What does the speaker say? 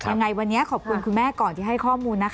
ยังไงวันนี้ขอบคุณคุณแม่ก่อนที่ให้ข้อมูลนะคะ